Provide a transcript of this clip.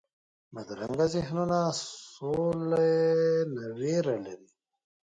بدرنګه ذهنونونه سولې نه ویره لري